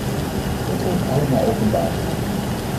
Dat hoort allemaal openbaar te worden.